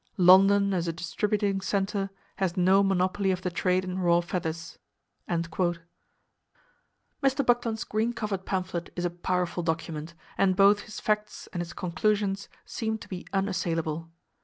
… London, as a distributing center, has no monopoly of the trade in raw feathers." Mr. Buckland's green covered pamphlet is a powerful document, and both his facts and his conclusions seem to be unassailable.